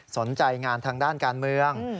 สนใจงานทางด้านการเมือง